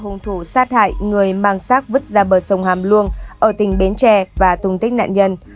hùng thủ sát hại người mang sắc vứt ra bờ sông hàm luông ở tỉnh bến tre và tung tích nạn nhân